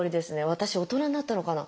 私大人になったのかな？